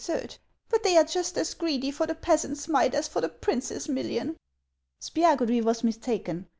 ; J but they are just as greedy for the peasant's mite as for the prince's million." Spiagudry was mistaken.